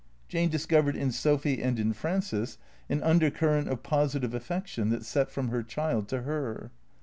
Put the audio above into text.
Jane discovered in Sophy and in Fran ces an undercurrent of positive affection that set from her child to her.